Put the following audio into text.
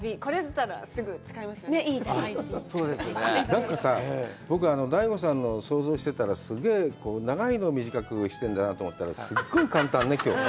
なんかさ、僕、ＤＡＩＧＯさんの想像してたら、すごい長いのを短くしてるんだなと思ったら、すごい簡単ね、きょうは。